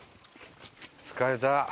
疲れた。